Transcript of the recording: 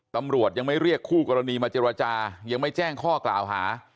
ตำรวจยังไม่เรียกคู่กรณีมาเจรจายังไม่แจ้งข้อกล่าวหา